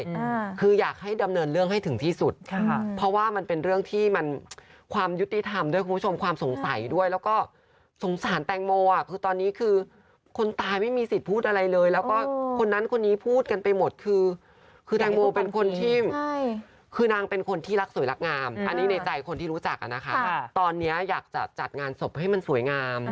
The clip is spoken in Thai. อืมคืออยากให้ดำเนินเรื่องให้ถึงที่สุดค่ะเพราะว่ามันเป็นเรื่องที่มันความยุติธรรมด้วยคุณผู้ชมความสงสัยด้วยแล้วก็สงสารแตงโมอ่ะคือตอนนี้คือคนตายไม่มีสิทธิ์พูดอะไรเลยแล้วก็คนนั้นคนนี้พูดกันไปหมดคือคือแตงโมเป็นคนที่ใช่คือนางเป็นคนที่รักสวยรักงามอันนี้ในใจคนที่รู้จักอ่ะนะคะตอนเนี้ยอยากจะจัดงานศพให้มันสวยงาม